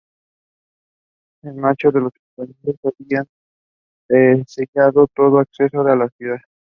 En marzo los españoles habían sellado todo acceso a la ciudad.